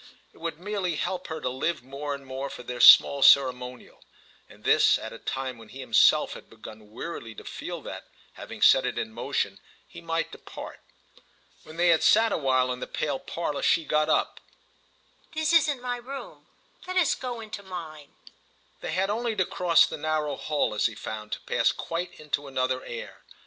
It would merely help her to live more and more for their small ceremonial, and this at a time when he himself had begun wearily to feel that, having set it in motion, he might depart. When they had sat a while in the pale parlour she got up—"This isn't my room: let us go into mine." They had only to cross the narrow hall, as he found, to pass quite into another air.